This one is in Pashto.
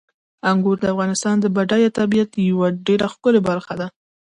انګور د افغانستان د بډایه طبیعت یوه ډېره ښکلې برخه ده.